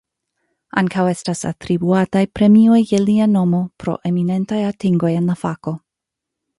Ankaŭ estas atribuataj premioj je lia nomo pro eminentaj atingoj en la fako.